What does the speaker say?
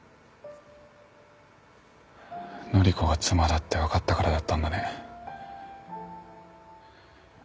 乃里子が妻だって分かったからだったんだね。